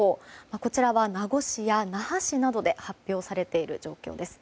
こちらは名護市や那覇市などで発表されている状況です。